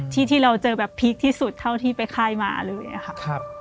ที่เราเจอแบบพีคที่สุดเท่าที่ไปค่ายมาเลยค่ะ